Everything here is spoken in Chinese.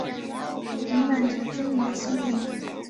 以满足居民的心灵